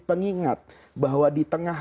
pengingat bahwa di tengah